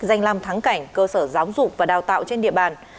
danh làm thắng cảnh cơ sở giáo dục và đào tạo trên địa bàn